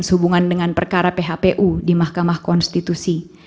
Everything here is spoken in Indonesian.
sehubungan dengan perkara phpu di mahkamah konstitusi